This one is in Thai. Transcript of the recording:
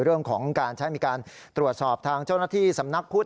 เรื่องของการใช้มีการตรวจสอบทางเจ้าหน้าที่สำนักพุทธ